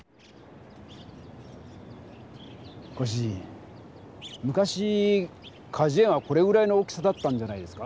ご主人昔かじゅ園はこれぐらいの大きさだったんじゃないですか？